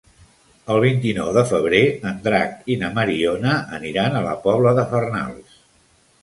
El vint-i-nou de febrer en Drac i na Mariona aniran a la Pobla de Farnals.